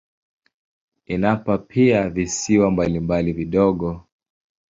Ina pia visiwa mbalimbali vidogo.